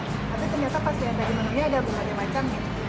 tapi ternyata pas yang tadi menurutnya ada bukan ada macam